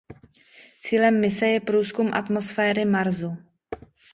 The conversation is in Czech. Cílem mise je průzkum atmosféry Marsu.